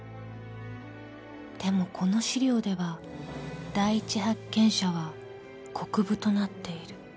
［でもこの資料では第一発見者は国府となっている］